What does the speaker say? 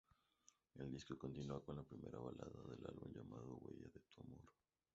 El disco continúa con la primera balada del álbum, llamada "Huella De Tu Amor".